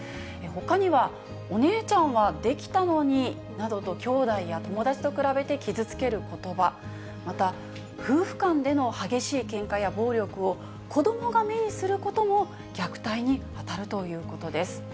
ほかには、お姉ちゃんはできたのになどと、きょうだいや友達と比べて傷つけることば、また、夫婦間での激しいけんかや暴力を、子どもが目にすることも、虐待に当たるということです。